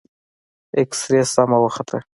اكسرې سمه وخته.